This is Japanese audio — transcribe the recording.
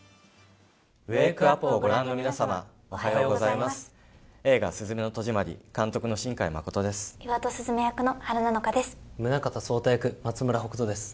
ウェークアップをご覧の皆様、おはようございます。